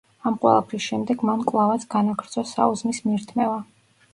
ამ ყველაფრის შემდეგ მან კვლავაც განაგრძო საუზმის მირთმევა.